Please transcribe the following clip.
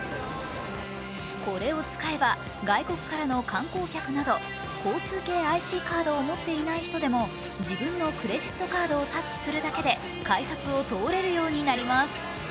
これを使えば外国からの観光客など交通系ＩＣカードを持っていない人でも自分のクレジットカードをタッチするだけで改札を通れるようになります。